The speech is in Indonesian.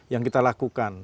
yang kita lakukan